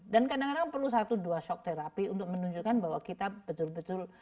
dan kadang kadang perlu satu dua shock therapy untuk menunjukkan bahwa kita betul betul